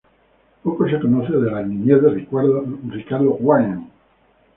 Poco se conoce de la niñez de Ricardo Gwyn.